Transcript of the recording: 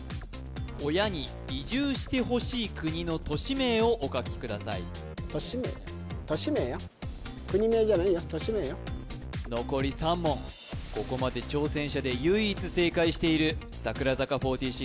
親に移住してほしい国の都市名をお書きください都市名都市名よ国名じゃないよ都市名よ残り３問ここまで挑戦者で唯一正解している櫻坂４６